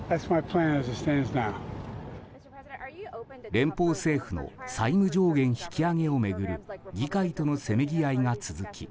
連邦政府の債務上限引き上げを巡る議会とのせめぎ合いが続き